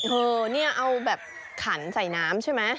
เออเนี่ยเอาแบบขันใส่น้ำใช่ไหม